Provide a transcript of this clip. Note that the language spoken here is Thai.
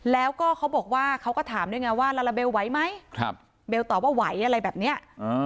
แล้วก็เขาบอกว่าเขาก็ถามด้วยไงว่าลาลาเบลไหวไหมเบลตอบว่าไหวอะไรแบบนี้